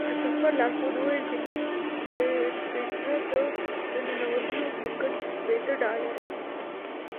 د سفر لارښود وویل چې پیترا ته د ننوتلو ټکټ شپېته ډالره دی.